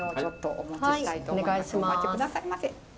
お待ち下さいませ。